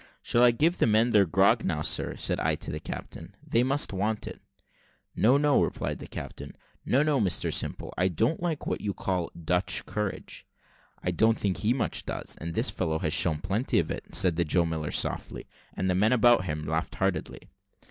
"Shall I give the men their grog now, sir?" said I, to the captain; "they must want it." "No, no," replied the captain; "no, no, Mr Simple, I don't like what you call Dutch courage." "I don't think he much does; and this fellow has shown plenty of it," said the Joe Miller, softly; and the men about him laughed heartily.